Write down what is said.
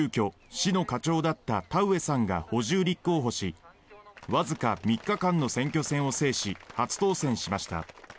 市の課長だった田上さんが補充立候補しわずか３日間の選挙戦を制し初当選しました。